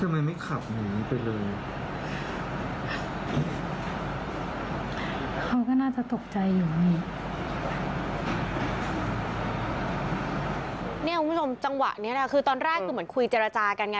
เนี่ยวิวทรงจังหวะนี้นะคะคือตอนแรกคือเหมือนคุยเจรจากันไง